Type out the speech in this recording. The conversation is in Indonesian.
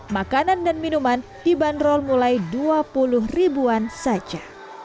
makanan dan minuman dibanderol mulai dua puluh ribuan saja